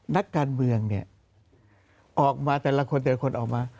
นักการเมืองเนี่ยออกมาแต่ละคนแต่ละคนออกมา